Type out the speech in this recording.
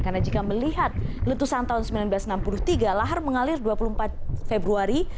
karena jika melihat letusan tahun seribu sembilan ratus enam puluh tiga lahar mengalir dua puluh empat februari